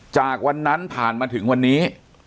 จากวันนั้นผ่านมาถึงวันนี้